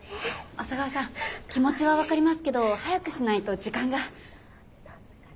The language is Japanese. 小佐川さん気持ちは分かりますけど早くしないと時間が。